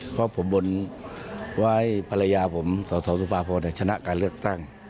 เพราะผมบนไว้ภรรยาผมสสสุภาพรชนะการเลือกตั้ง